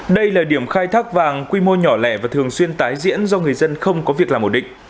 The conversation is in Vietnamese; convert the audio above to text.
đây là điểm khai thác vàng quy mô nhỏ lẻ và thường xuyên tái diễn do người dân không có việc làm ổn định